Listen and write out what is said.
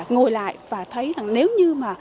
ngồi lại và thấy nếu như